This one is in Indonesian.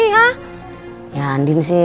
ya andin sih